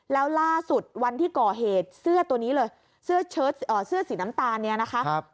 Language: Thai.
แล้วล่าสุดวันที่ก่อเหตุเสื้อสีน้ำตาลเนี่ยนะคะ